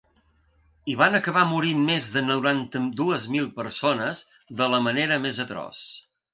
Hi van acabar morint més de noranta-dues mil persones de la manera més atroç.